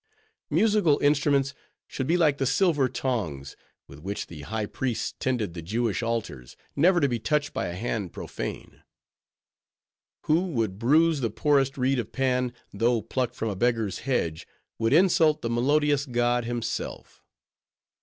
Musical instruments should be like the silver tongs, with which the high priests tended the Jewish altars—never to be touched by a hand profane. Who would bruise the poorest reed of Pan, though plucked from a beggar's hedge, would insult the melodious god himself.